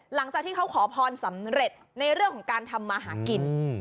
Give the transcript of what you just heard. หลังจากที่เขาขอพรสำเร็จในเรื่องของการทำมาหากิน